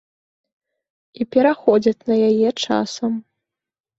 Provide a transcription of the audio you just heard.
І пераходзяць на яе часам.